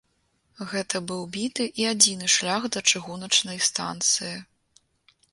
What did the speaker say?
Гэта быў біты і адзіны шлях да чыгуначнай станцыі.